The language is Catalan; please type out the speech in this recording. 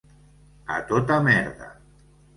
A tota merda.